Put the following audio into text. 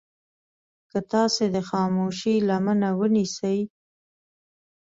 که تاسې د خاموشي لمنه ونيسئ.